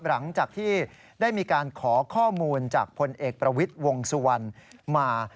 หลังจากที่ได้มีการขอข้อมูลจากพลเอกประวิทย์วงสุวรรณมา